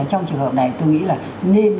trong trường hợp này tôi nghĩ là nên